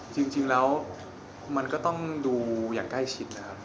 จริงแล้วมันก็ต้องดูอย่างใกล้ชิดนะครับ